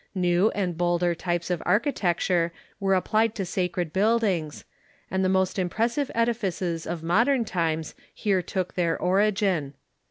Kew and bolder types of archi tecture were applied to sacred buildings, and the most im pressive edifices of modern times here took their origin.